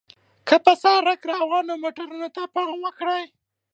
که پر سړک روانو موټرو ته پام وکړئ.